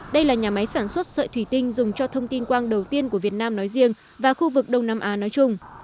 đây là nhà máy sản xuất sợi thủy tinh dùng cho thông tin quang đầu tiên của việt nam nói riêng và khu vực đông nam á nói chung